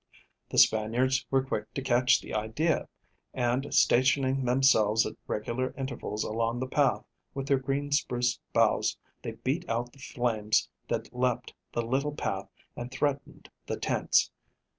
The Spaniards were quick to catch the idea, and, stationing themselves at regular intervals along the path, with their green spruce boughs they beat out the flames that leaped the little path and threatened the tents.